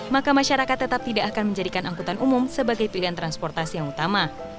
maka masyarakat tetap tidak akan menjadikan angkutan umum sebagai pilihan transportasi yang utama